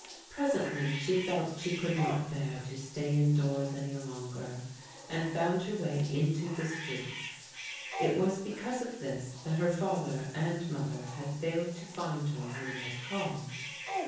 Presently she felt she could not bear to stay indoors any longer, and found her way into the streets. It was be cause of this that her father and mother had failed to find her when they had called.